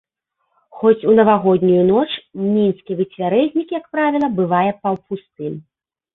Хоць у навагоднюю ноч мінскі выцвярэзнік, як правіла, бывае паўпустым.